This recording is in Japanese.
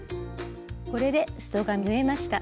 これですそが縫えました。